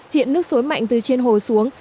hiện nước xối mạnh từ trên hồ xuống